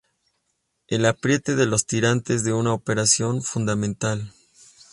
El apriete de los tirantes de una operación fundamental.